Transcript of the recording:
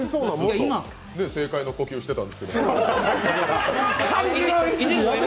今、正解の呼吸してたんですけど。